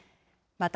また、